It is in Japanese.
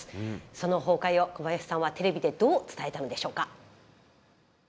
その崩壊を小林さんはテレビでどう伝えたのでしょうか。